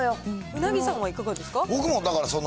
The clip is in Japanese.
鰻さんはいかがですか。